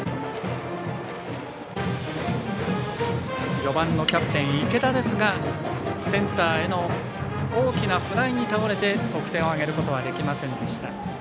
４番のキャプテン、池田ですがセンターへの大きなフライに倒れて得点を挙げることはできませんでした。